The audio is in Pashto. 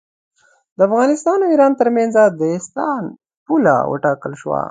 د افغانستان او ایران ترمنځ د سیستان پوله وټاکل شوه.